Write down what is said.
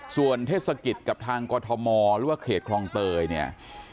ส่วนเทศกิจกับทางกรทมหรือว่าเขตคลองเตยเนี่ย